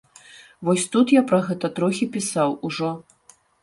Вось тут я пра гэта трохі пісаў ужо.